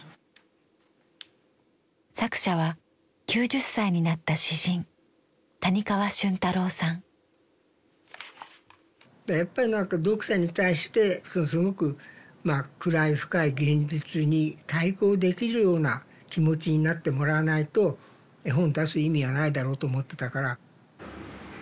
作者は９０歳になっただからやっぱり何か読者に対してすごく暗い深い現実に対抗できるような気持ちになってもらわないと絵本出す意味はないだろうと思ってたから。